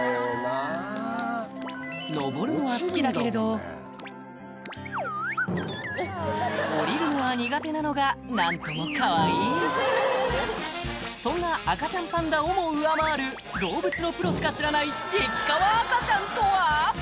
のぼるのは好きだけれどおりるのは苦手なのが何ともカワイイそんな赤ちゃんパンダをも上回る動物のプロしか知らない激カワ赤ちゃんとは？